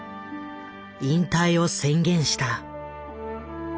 引退を宣言した。